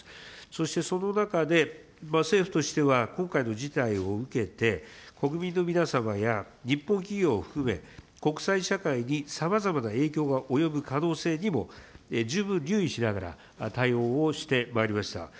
そしてその中で、政府としては今回の事態を受けて、国民の皆様や日本企業を含め、国際社会にさまざまな影響が及ぶ可能性にも十分留意しながら対応をしてまいりました。